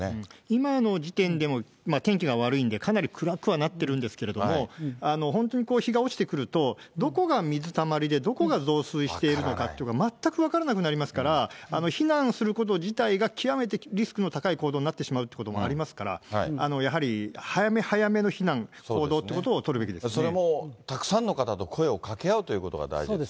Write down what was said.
今の時点でも、天気が悪いんで、かなり暗くはなってるんですけれども、本当に日が落ちてくると、どこが水たまりで、どこが増水しているのかというのが全く分からなくなりますから、避難すること自体が極めてリスクの高い行動になってしまうということもありますから、やはり早め早めの避難、行動ってことを取るそれも、たくさんの方と声を掛け合うということが大事ですね。